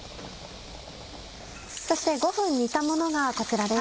そして５分煮たものがこちらです。